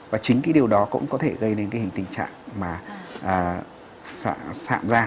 và chính cái điều đó cũng có thể gây đến cái hình tình trạng mà sạm ra